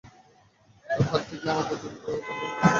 তার হাত ঠিক না হওয়া পর্যন্ত, তাদের পাশে থাকুন।